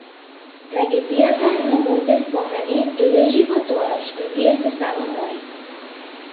Трагедијата на моите спомени лежи во тоа што тие се само мои.